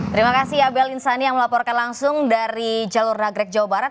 terima kasih abel insani yang melaporkan langsung dari jalur nagrek jawa barat